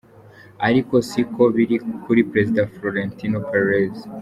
Ariko si ko biri kuri prezida Florentino Perez.